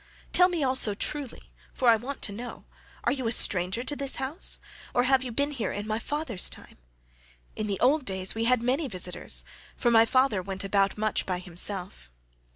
Tell me also truly, for I want to know, are you a stranger to this house, or have you been here in my father's time? In the old days we had many visitors for my father went about much himself."